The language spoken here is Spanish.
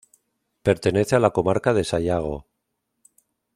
Pertenece a la comarca de Sayago.